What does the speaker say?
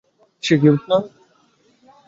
সে cute না?